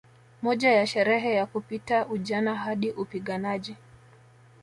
Moja ya sherehe ya kupita ujana hadi upiganaji